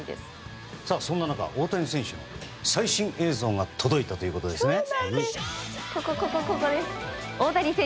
そんな中、大谷選手の最新映像が届いたということです。